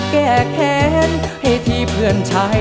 แก้แค้นให้ที่เพื่อนใช้